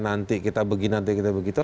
nanti kita begini nanti kita begitu